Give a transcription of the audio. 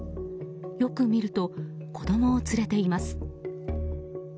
よく見ると、子供を連れています。